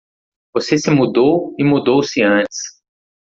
Você se mudou e mudou-se antes.